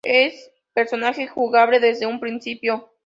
Es personaje jugable desde un principio.